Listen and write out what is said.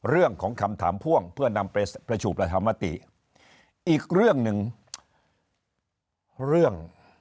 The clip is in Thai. เรื่องของคำถามพ่วงเพื่อนำเป็นประชุปรธรรมติอีกเรื่องหนึ่ง